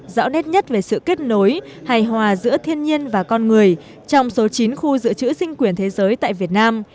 rõ nét nhất về sự kết nối hài hòa giữa thiên nhiên và con người trong số chín khu dự trữ sinh quyền thế giới tại việt nam